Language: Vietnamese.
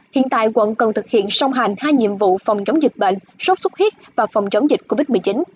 hiện tại quận cần thực hiện song hành hai nhiệm vụ phòng chống dịch bệnh sốt xuất huyết và phòng chống dịch covid một mươi chín